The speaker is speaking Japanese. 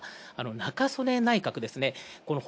中曽根内閣ですね。